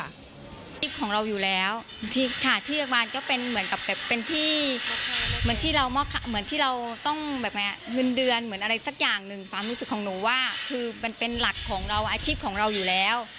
ของเราอยู่แล้วค่ะที่โรงพยาบาลก็เป็นเหมือนกับเป็นที่เหมือนที่เรามอบเหมือนที่เราต้องแบบเงินเดือนเหมือนอะไรสักอย่างหนึ่งความรู้สึกของหนูว่าคือมันเป็นหลักของเราอาชีพของเราอยู่แล้ว